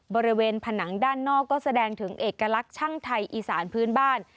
บริเวณผนังด้านนอกก็แสดงถึงเอกลักษณ์ช่างไทยอีสานพื้นบ้าน